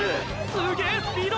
すげぇスピード！！